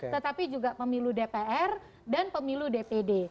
tetapi juga pemilu dpr dan pemilu dpd